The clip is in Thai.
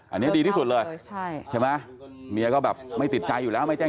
อันนี้ดีที่สุดเลยใช่ไหมเมียก็แบบไม่ติดใจอยู่แล้วไม่แจ้ง